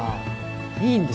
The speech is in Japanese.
いいんです。